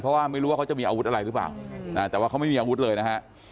เพราะว่าไม่รู้ว่าเขาจะมีอาวุธอะไรหรือเปล่าแต่ว่าเขาไม่มีอาวุธเลยนะฮะ